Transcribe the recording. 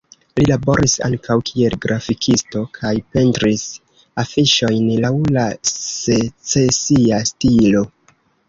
Li laboris ankaŭ kiel grafikisto kaj pentris afiŝojn laŭ la secesia stilo.